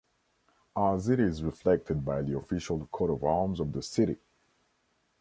As it is reflected by the official coat of arms of the city.